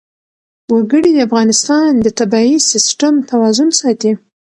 وګړي د افغانستان د طبعي سیسټم توازن ساتي.